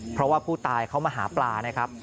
เพราะว่าผู้ตายเขามาหาปลานะครับ